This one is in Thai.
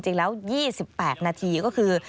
จริงแล้ว๒๘นาทีก็คือ